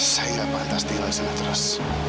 saya gak pantas tinggal disana terus